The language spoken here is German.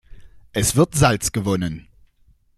Es wird Salz gewonnen.